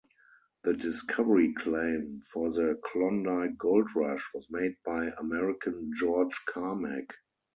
The discovery claim for the Klondike gold rush was made by American George Carmack.